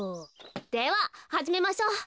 でははじめましょう。